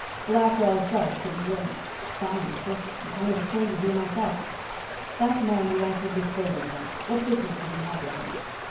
Blackwell gulped and blinked. "Sorry, mister, I'm kind of a stranger here myself." "That man you entered this building with what business did you have with him?"